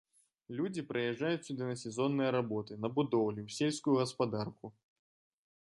Людзі прыязджаюць сюды на сезонныя работы, на будоўлі, у сельскую гаспадарку.